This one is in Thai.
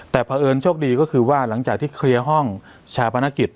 แต่เพราะเอิญโชคดีก็คือว่าหลังจากที่เคลียร์ห้องชาพนักกิจ